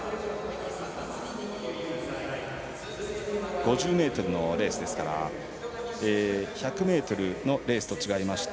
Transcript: ５０ｍのレースですから１００ｍのレースと違いまして